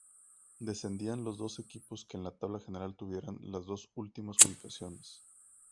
Descendían los dos equipos que en la tabla general tuvieran las dos últimas ubicaciones.